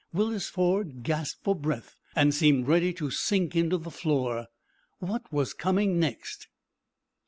Willis Ford gasped for breath and seemed ready to sink into the floor. What was coming next?